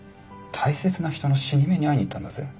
大切な人の死に目にあいに行ったんだぜ？